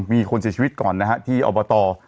มีคนเสียชีวิตก่อนนะฮะที่อบต